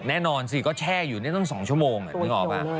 แน่นอนสิก็แช่อยู่นี่ตั้ง๒ชั่วโมงนึกออกป่ะ